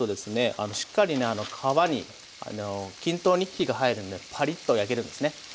あのしっかりね皮に均等に火が入るんでパリッと焼けるんですね。